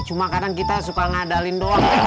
cuma kadang kita suka ngadalin doang